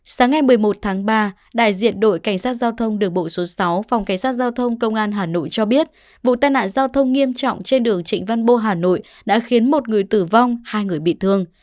sáng ngày một mươi một tháng ba đại diện đội cảnh sát giao thông đường bộ số sáu phòng cảnh sát giao thông công an hà nội cho biết vụ tai nạn giao thông nghiêm trọng trên đường trịnh văn bô hà nội đã khiến một người tử vong hai người bị thương